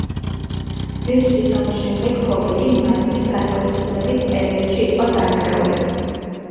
ბეჭდის ომის შემდეგ ჰობიტი მაზრის გათავისუფლების პერიოდში იყო დანგრეული.